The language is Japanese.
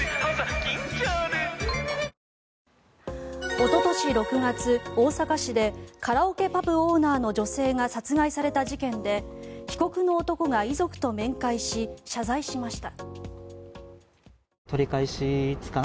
おととし６月、大阪市でカラオケパブオーナーの女性が殺害された事件で被告の男が遺族と面会し謝罪しました。